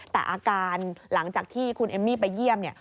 แต่อาการหลังจากที่คุณเอมมี่ไปเยี่ยมเนี่ย